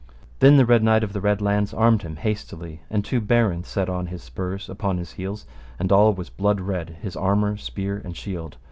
Then the Red Knight of the Red Launds armed him hastily, and two barons set on his spurs upon his heels, and all was blood red, his armour, spear and shield.